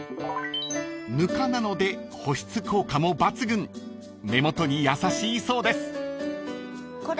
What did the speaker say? ［ぬかなので保湿効果も抜群目元に優しいそうです］